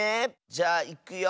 じゃあいくよ。